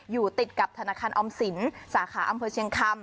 อยู่ติดกับธนาคารออมสินสาขาอำเภอเชียงคำ